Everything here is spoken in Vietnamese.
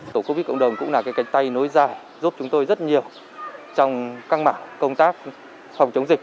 tổ covid cộng đồng cũng là cái cánh tay nối dài giúp chúng tôi rất nhiều trong căng mặt công tác phòng chống dịch